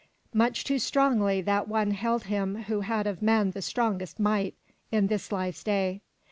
Much too strongly that one held him who had of men the strongest might in this life's day.